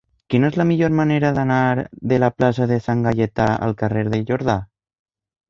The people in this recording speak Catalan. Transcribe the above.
Quina és la millor manera d'anar de la plaça de Sant Gaietà al carrer de Jordà?